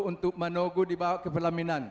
untuk menogu di bawah kepelaminan